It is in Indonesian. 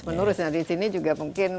menurut saya nah disini juga mungkin